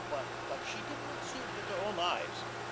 But she did not see it with her own eyes.